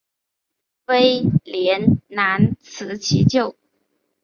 威廉难辞其咎。